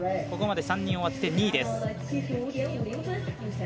ここまで３人終わって２位です。